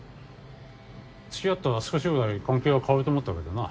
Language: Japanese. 付き合ったら少しぐらい関係が変わると思ったけどな。